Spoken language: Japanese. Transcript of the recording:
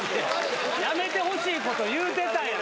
やめてほしいこと言うてたんや。